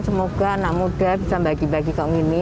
semoga anak muda bisa bagi bagi ke umum ini